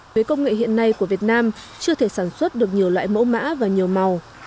với công nghệ hiện nay của việt nam chưa thể sản xuất được nhiều loại mẫu mã và nhiều màu